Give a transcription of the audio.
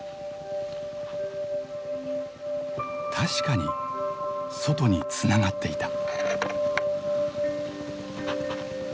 確かに外につながっていた。